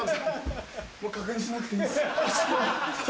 もう確認しなくていいんです。